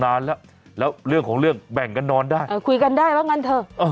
นานแล้วแล้วเรื่องของเรื่องแบ่งกันนอนได้เออคุยกันได้ว่างั้นเถอะ